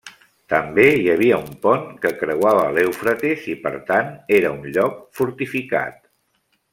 També hi havia un pont que creuava l'Eufrates i per tant era un lloc fortificat.